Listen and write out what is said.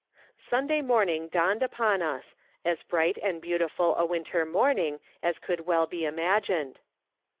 Sunday morning dawned upon us ; as bright and beautiful a winter morning as could well be imagined.